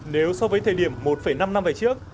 nếu so với thời điểm một năm năm về trước